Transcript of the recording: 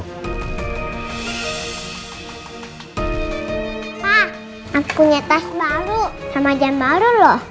pa aku punya tas baru sama jam baru loh